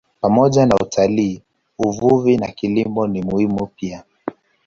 Pamoja na utalii, uvuvi na kilimo ni muhimu pia.